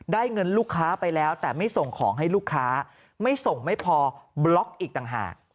เงินลูกค้าไปแล้วแต่ไม่ส่งของให้ลูกค้าไม่ส่งไม่พอบล็อกอีกต่างหาก